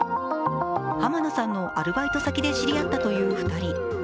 濱野さんのアルバイト先で知り合ったという２人。